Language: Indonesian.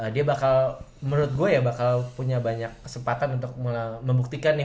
dia bakal menurut gue ya bakal punya banyak kesempatan untuk membuktikan nih